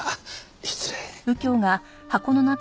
失礼。